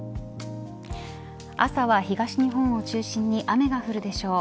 朝は東日本を中心に雨が降るでしょう。